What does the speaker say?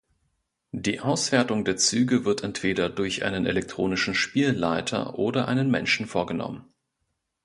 Die Auswertung der Züge wird entweder durch einen elektronischen Spielleiter oder einen Menschen vorgenommen.